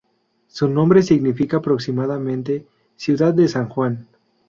Su nombre significa aproximadamente "Ciudad de San Juan".